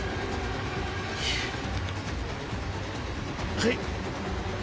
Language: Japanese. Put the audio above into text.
はい。